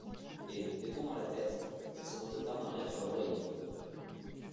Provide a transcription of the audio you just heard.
Et, détournant la tête, elle se rejeta en arrière sur l'oreiller.